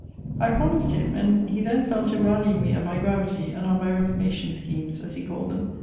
I promised him: and he then fell to rallying me on my gravity, and on my reformation schemes, as he called them.